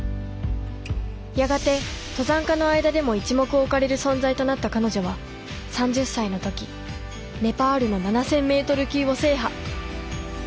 やがて登山家の間でも一目置かれる存在となった彼女は３０歳の時ネパールの７，０００ｍ級を制覇。